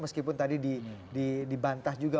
meskipun tadi dibantah juga